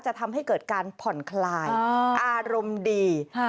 จะทำให้เกิดการผ่อนคลายอารมณ์ดี